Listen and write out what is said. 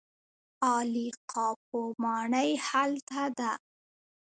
عالي قاپو ماڼۍ هلته ده.